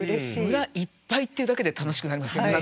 「村一ぱい」っていうだけで楽しくなりますよね。